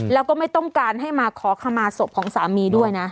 แล้วก็ไม่ต้องการให้มาขอขมาศพของสามีด้วยนะ